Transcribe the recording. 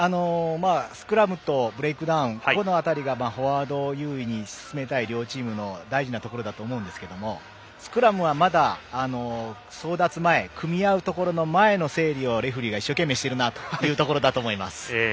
スクラムとブレイクダウンこの辺りがフォワードを有利に進めたい両チームの大事なところだと思うんですがスクラムは争奪前組み合うところの前の整理をレフリーが一生懸命しているなというところだと思います。